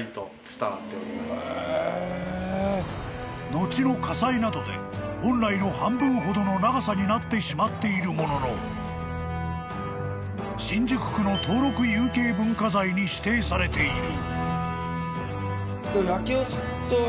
［後の火災などで本来の半分ほどの長さになってしまっているものの新宿区の登録有形文化財に指定されている］